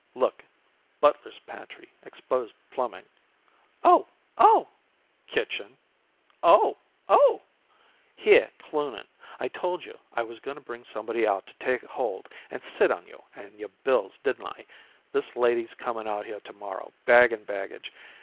"Look, butler's pantry, exposed plumbing." "Oh! Oh!" "Kitchen." "Oh! Oh!" "Here, Cloonan. I told you I was going to bring somebody out to take hold and sit on you and your bills, didn't I? This lady's coming out here tomorrow, bag and baggage.